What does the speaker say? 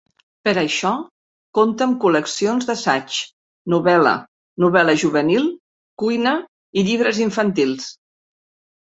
Per a això compta amb col·leccions d'assaig, novel·la, novel·la juvenil, cuina i llibres infantils.